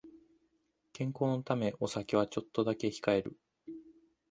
健康のためお酒はちょっとだけ控える